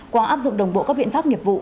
qua áp dụng đồng bộ các biện pháp nghiệp vụ